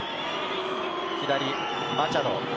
左マチャド。